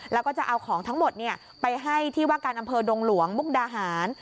แล้วก็จะเอาของทั้งหมดไปให้ที่ว่าการอำเภอดงหลวงมุกดาหาร